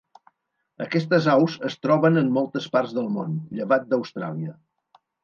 Aquestes aus es troben en moltes parts del món, llevat d'Austràlia.